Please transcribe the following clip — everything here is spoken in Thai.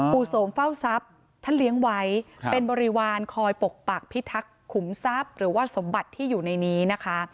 โสมเฝ้าทรัพย์ท่านเลี้ยงไว้เป็นบริวารคอยปกปักพิทักษ์ขุมทรัพย์หรือว่าสมบัติที่อยู่ในนี้นะคะ